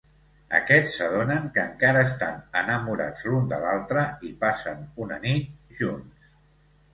Aquests s'adonen que encara estan enamorats l'un de l'altre i passen una nit junts.